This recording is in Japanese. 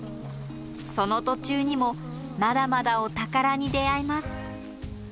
その途中にもまだまだお宝に出会えます。